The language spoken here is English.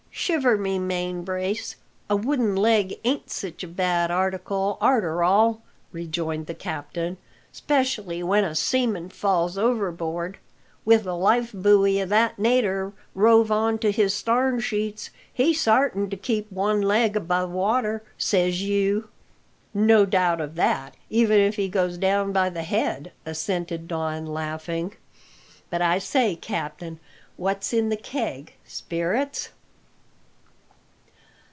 "Shiver my main brace! a wooden leg ain't sich a bad article arter all," rejoined the captain; "specially when a seaman falls overboard. With a life buoy o' that nater rove on to his starn sheets, he's sartin to keep one leg above water, says you." "No doubt of that, even if he goes down by the head," assented Don, laughing. "But, I say, captain, what's in the keg spirits?"